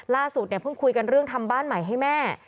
ล่าสุดเนี่ยเพิ่งคุยกันเรื่องทำบ้านใหม่ให้แม่